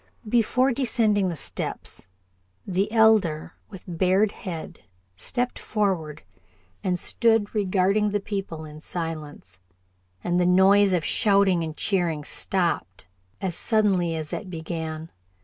Before descending the steps, the Elder, with bared head, stepped forward and stood regarding the people in silence, and the noise of shouting and cheering stopped as suddenly as it began.